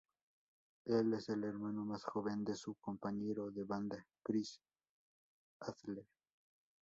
Él es el hermano más joven de su compañero de banda Chris Adler.